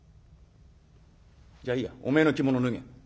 じゃあいいやお前の着物脱げ」。